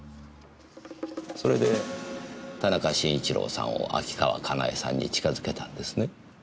それで田中慎一郎さんを秋川香奈恵さんに近づけたんですね。